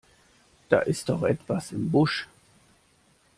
Da ist doch etwas im Busch!